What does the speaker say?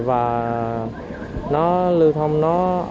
và lưu thông nó